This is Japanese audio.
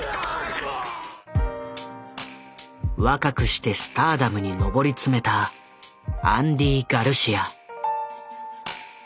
若くしてスターダムに上り詰めたアンディ・ガルシア。